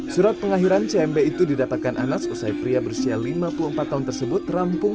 surat pengakhiran cmb itu didapatkan anas usai pria berusia lima puluh empat tahun tersebut rampung